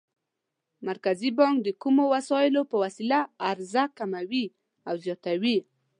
مرکزي بانک د کومو وسایلو په وسیله عرضه کموي او زیاتوي؟